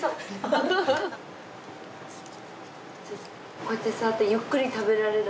こうやって座ってゆっくり食べられる。